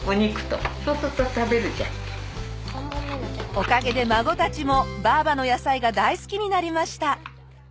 おかげで孫たちもばあばの野菜が大好きになりました。